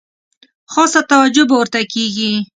خاصه توجه به ورته کیږي.